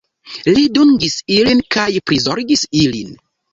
Li dungis ilin kaj prizorgis ilin.